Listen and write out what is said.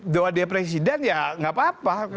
doa dia presiden ya nggak apa apa